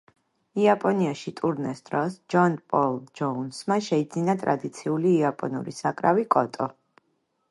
იაპონიაში ტურნეს დროს ჯონ პოლ ჯოუნსმა შეიძინა ტრადიციული იაპონური საკრავი კოტო.